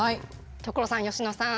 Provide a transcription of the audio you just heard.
所さん佳乃さん。